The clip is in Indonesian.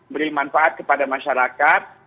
beri manfaat kepada masyarakat